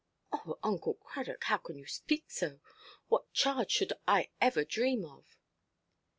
"Oh, Uncle Cradock, how can you speak so? What charge should I ever dream of?"